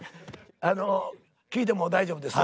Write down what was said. あの聞いても大丈夫ですよ。